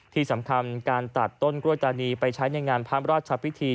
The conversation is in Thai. ที่สำคัญการตัดต้นกล้วยตานีไปใช้ในงานพระราชพิธี